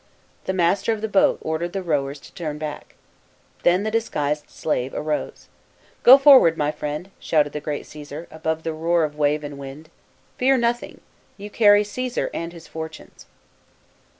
The master of the boat ordered the rowers to turn back. Then the disguised slave arose. " Go forward, my friend," shouted the great Caesar, above the roar of wave and wind. " Fear nothing, you carry Caesar and his fortunes."